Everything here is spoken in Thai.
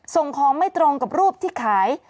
ส่งของไม่ตรงกับรูปที่ขาย